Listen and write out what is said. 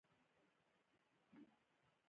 د لیمو ګل د زړه لپاره وکاروئ